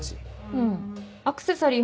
うんアクセサリー